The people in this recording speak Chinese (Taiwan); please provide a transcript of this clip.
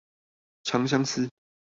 長相思